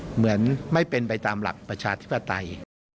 เหมือนไม่เป็นไปตามหลักประชาธิปไตย